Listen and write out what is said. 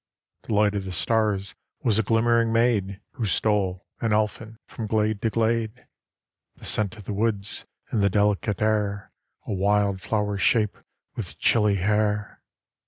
The Light of the Stars was a glimmering maid Who stole, an elfin, from glade to glade. The Scent of the Woods in the delicate air, A wild flower shape with chilly hair.